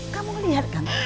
kamu lihat kan